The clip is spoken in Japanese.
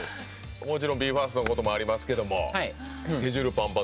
もちろんＢＥ：ＦＩＲＳＴのこともありますけどスケジュールぱんぱん。